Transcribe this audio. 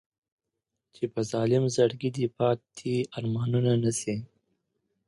چې په ظالم زړګي دې پاتې ارمانونه نه شي.